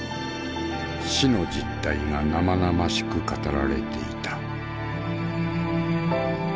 死の実態が生々しく語られていた。